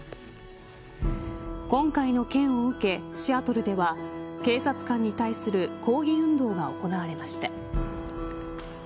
今回の件を受け、シアトルでは警察官に対する抗議運動が行われました。